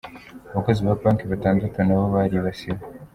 Abakozi ba banki batandatu nabo baribasiwe.